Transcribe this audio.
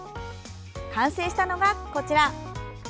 完成したのが、こちら。